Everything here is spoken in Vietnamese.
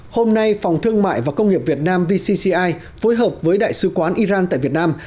hôm nay phòng thương mại và công nghiệp việt nam vcci phối hợp với đại sứ quán iran tại việt nam